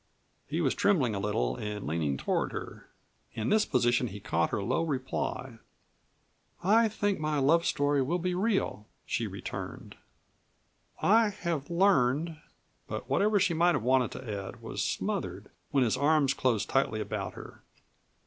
He was trembling a little and leaning toward her. In this position he caught her low reply. "I think my love story will be real," she returned. "I have learned " But whatever she might have wanted to add was smothered when his arms closed tightly about her.